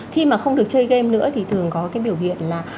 khi mà không được chơi game nữa thì thường có cái biểu hiện là